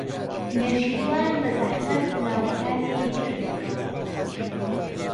نێچیروان بەزەحمەت ناوەکانی بیردێتەوە.